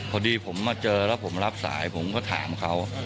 พอดีผมมาเจอแล้วผมรับสายผมก็ถามเขา